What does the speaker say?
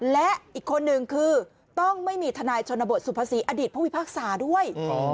และอีกคนหนึ่งคือต้องไม่มีทนายชนบทสุภาษีอดีตผู้พิพากษาด้วย